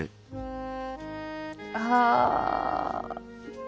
ああ。